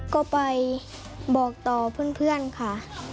ก็ไปบอกต่อเพื่อนค่ะ